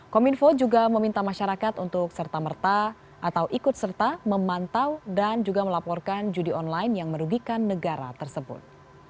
kominfo juga meminta masyarakat untuk serta merta atau ikut serta memantau dan juga melaporkan judi online yang merugikan negara tersebut